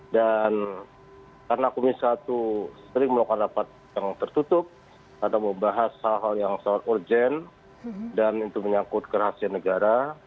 dan karena komisi satu sering melakukan rapat yang tertutup atau membahas hal hal yang sangat urgent dan itu menyangkut ke rahasia negara